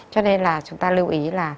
cho nên là chúng ta lưu ý là